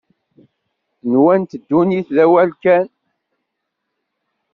Nwant ddunit d awal kan.